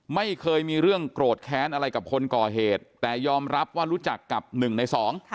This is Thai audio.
ไม่เคยมีเรื่องโกรธแค้นอะไรกับคนก่อเหตุแต่ยอมรับว่ารู้จักกับหนึ่งในสอง